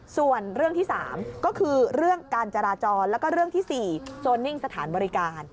ส่วนเรื่องที่๓ก็คือเรื่องการจราจรแล้วก็เรื่องที่๔โซนิ่งสถานบริการ